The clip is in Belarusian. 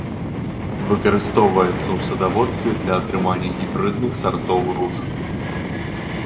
Выкарыстоўваецца ў садаводстве для атрымання гібрыдных сартоў руж.